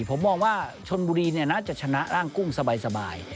ผมมองว่าชนบุรีน่าจะชนะร่างกุ้งสบาย